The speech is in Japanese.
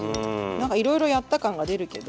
何かいろいろやった感が出るけど。